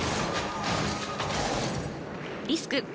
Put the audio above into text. リスク。